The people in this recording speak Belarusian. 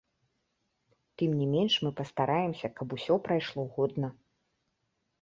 Тым не менш мы пастараемся, каб усё прайшло годна.